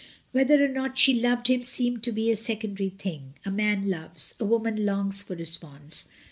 Whether or not she loved him seemed to be but a secondary thing. A man loves; a woman longs for response.